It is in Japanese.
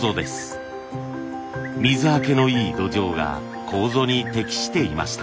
水はけのいい土壌が楮に適していました。